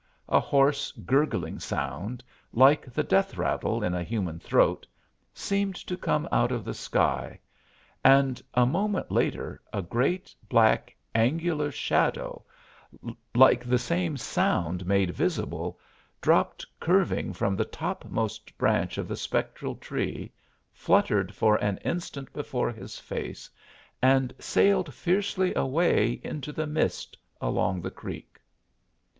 A hoarse, gurgling sound, like the death rattle in a human throat, seemed to come out of the sky, and a moment later a great, black, angular shadow, like the same sound made visible, dropped curving from the topmost branch of the spectral tree, fluttered for an instant before his face and sailed fiercely away into the mist along the creek.